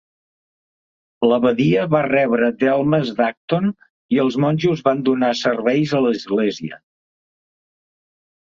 L'abadia va rebre delmes d'Acton i els monjos van donar serveis a l'església.